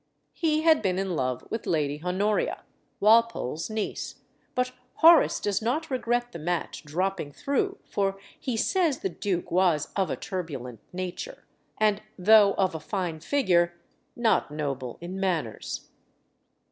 He had been in love with Lady Honoria, Walpole's niece; but Horace does not regret the match dropping through, for he says the duke was of a turbulent nature, and, though of a fine figure, not noble in manners.